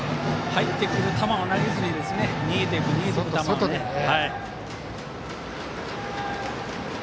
入ってくる球を投げずに逃げていく球をね。